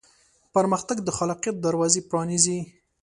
پرمختګ د خلاقیت دروازې پرانیزي.